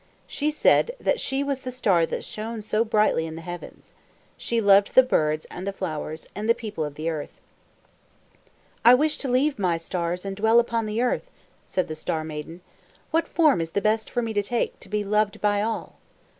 She said that she was the star that shone so brightly in the heavens. She loved the birds and the flowers, and the people of the earth. "I wish to leave my sister stars and dwell upon the earth," said the Star Maiden. "What form is the best for me to take, to be loved by all?"